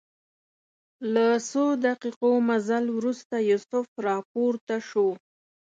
له څو دقیقو مزل وروسته یوسف راپورته شو.